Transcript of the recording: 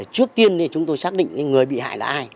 trước tiên chúng tôi xác định người bị hại là ai